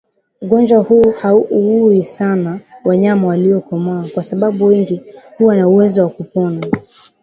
Ugonjwa huu hauui sana wanyama waliokomaa kwa sababu wengi huwa na uwezo wa kupona